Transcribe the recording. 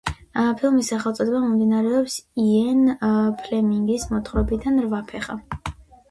ფილმის სახელწოდება მომდინარეობს იენ ფლემინგის მოთხრობიდან „რვაფეხა“.